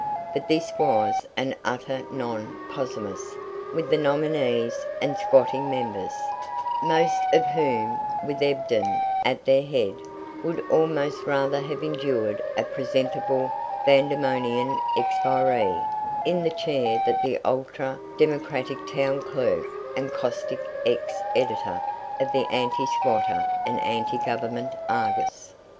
But this was an utter non possimus with the nominees and squatting members, most of whom, with Ebden at their head, would almost rather have endured a presentable Vandemonian expiree in the chair than the ultra democratic Town Clerk and caustic ex editor of the anti squatter and anti government "Argus".